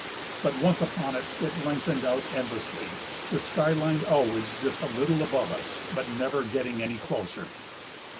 But once upon it, it lengthened out endlessly, the sky line always just a little above us, but never getting any closer.